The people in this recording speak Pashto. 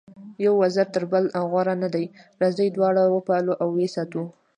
یو وزر تر بل غوره نه دی، راځئ دواړه وپالو او ویې ساتو.